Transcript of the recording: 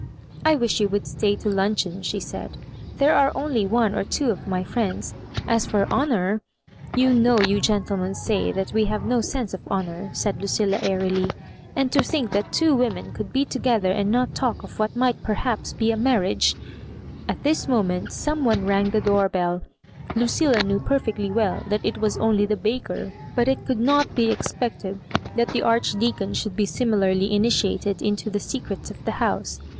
" I wish you would stay to luncheon,'* she said ;" there are only one or two of my friends. As for honawj you know you gentlemen say that we have no sense of honour," said Lucilla, airily; "and to think that two women could be together and not talk of what might perhaps be a mar riage——" At this moment some one rang the door boll Lucilla knew perfectly well that it was only the baker, but it could not be expected that the Archdeacon should be similarly initiated into the secrets of the house.